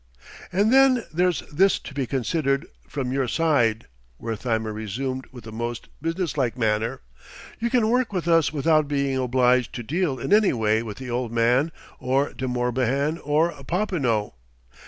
"And then there's this to be considered, from your side," Wertheimer resumed with the most business like manner: "you can work with us without being obliged to deal in any way with the Old Man or De Morbihan, or Popinot.